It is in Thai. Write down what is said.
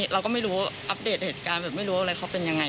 เราก็ไม่รู้อัปเดตเหตุการณ์ไม่รู้ว่าเค้าเป็นอย่างไร